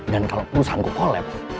dan kalau perusahaanku collapse